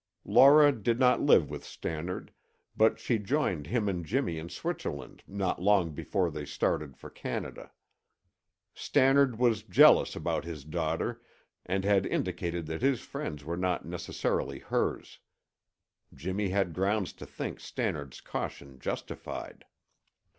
Laura did not live with Stannard, but she joined him and Jimmy in Switzerland not long before they started for Canada. Stannard was jealous about his daughter and had indicated that his friends were not necessarily hers. Jimmy had grounds to think Stannard's caution justified.